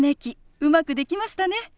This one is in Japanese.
うまくできましたね。